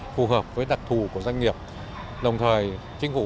phù hợp với đặc thù của doanh nghiệp